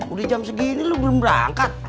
udah jam segini lu belum berangkat